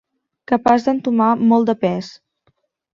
Capaç d'entomar molt de pes.